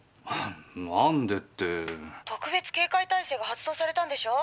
「特別警戒態勢が発動されたんでしょ？」